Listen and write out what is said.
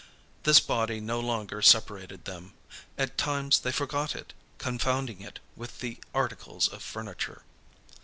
This body no longer separated them; at times they forgot it, confounding it with the articles of furniture.